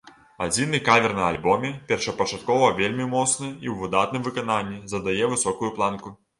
Адзіны кавер на альбоме, першапачаткова вельмі моцны і ў выдатным выкананні, задае высокую планку.